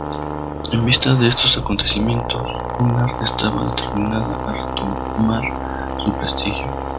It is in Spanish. En vista de estos acontecimientos, Cunard estaba determinada a retomar su prestigio.